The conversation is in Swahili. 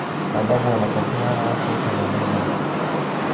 Mababu wanatuambia hawa watu wote wamehamia Mara